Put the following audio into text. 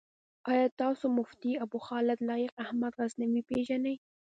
آيا تاسو مفتي ابوخالد لائق احمد غزنوي پيژنئ؟